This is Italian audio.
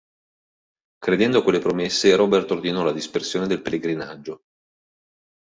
Credendo a queste promesse Robert ordinò la dispersione del Pellegrinaggio.